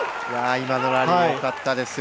今のラリーよかったですよ。